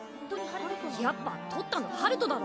やっぱとったの陽翔だろ？